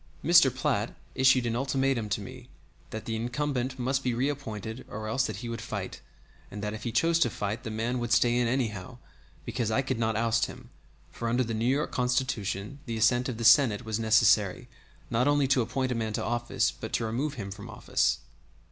Mr. Platt issued an ultimatum to me that the incumbent must be reappointed or else that he would fight, and that if he chose to fight the man would stay in anyhow because I could not oust him for under the New York Constitution the assent of the Senate was necessary not only to appoint a man to office but to remove him from office.